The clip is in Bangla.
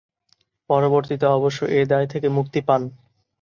পরবর্তীতে অবশ্য এ দায় থেকে মুক্তি পান।